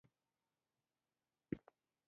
د انفلونزا د ویروس لپاره د زنجبیل چای وڅښئ